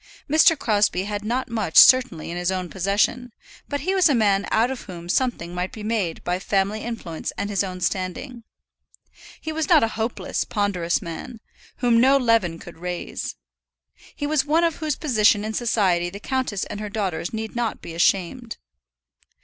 Mr. Crosbie had not much certainly in his own possession, but he was a man out of whom something might be made by family influence and his own standing. He was not a hopeless, ponderous man, whom no leaven could raise. He was one of whose position in society the countess and her daughters need not be ashamed.